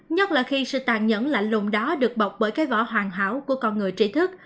nhất là khi sự tàn nhẫn lại lùm đó được bọc bởi cái vỏ hoàn hảo của con người trí thức